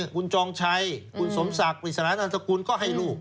คุณจองชัยคุณสมศักดิ์ปฤษฐานหลังจากคุณก็ให้ลูก